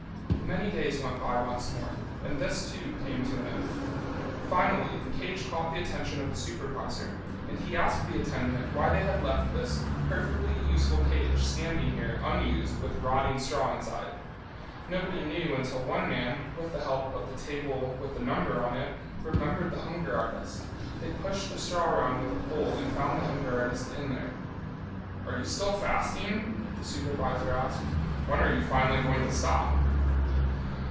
Many days went by once more, and this, too, came to an end. Finally the cage caught the attention of a supervisor, and he asked the attendant why they had left this perfectly useful cage standing here unused with rotting straw inside. Nobody knew, until one man, with the help of the table with the number on it, remembered the hunger artist. They pushed the straw around with a pole and found the hunger artist in there. "Are you still fasting?" the supervisor asked. "When are you finally going to stop?"